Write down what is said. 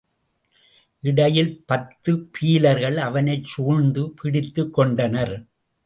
இடையில் பத்து பீலர்கள் அவனைச் சூழ்ந்து பிடித்துக் கொண்டனர்.